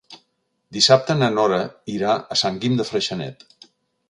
Dissabte na Nora irà a Sant Guim de Freixenet.